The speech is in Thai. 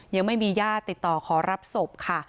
ยังไม่มีญาติติดต่อขอรับศพค่ะ